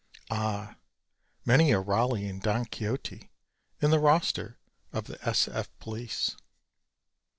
Ah, many a Raleigh and Don Quixote in the roster of the S. F. police.